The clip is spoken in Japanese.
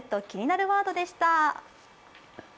気になるワード」でした。